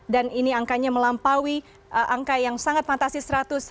dan ini angkanya melampaui angka yang sangat fantastis